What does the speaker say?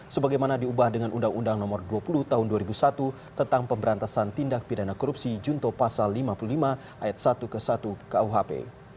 sebagaimana diubah dengan undang undang nomor dua puluh tahun dua ribu satu tentang pemberantasan tindak pidana korupsi junto pasal lima puluh lima ayat satu ke satu kuhp